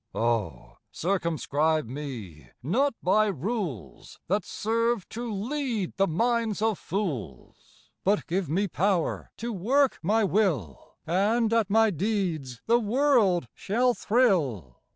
Oh, circumscribe me not by rules That serve to lead the minds of fools! But give me pow'r to work my will, And at my deeds the world shall thrill.